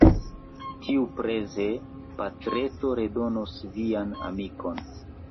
Tiupreze, patreto redonos vian amikon.